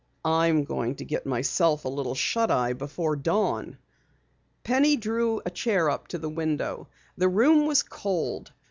"I'm going to get myself a little shut eye before dawn." Penny drew a chair up to the window. The room was cold.